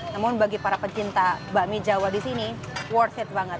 namun bagi para pecinta bakmi jawa di sini worth it banget